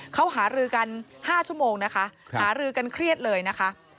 เขาหารือกัน๕ชั่วโมงนะคะหารือกันเครียดเลยนะคะ